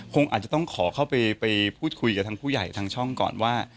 คงอาจจะต้องขอเข้าไปพูดคุยกับทางผู้ใหญ่ทางช่องก่อนว่า